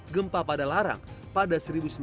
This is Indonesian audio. gempa pada larang pada seribu sembilan ratus sepuluh